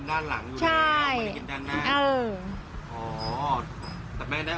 อ้าวจนใจนี่จะเป็นกินด้านหลังอยู่แล้ว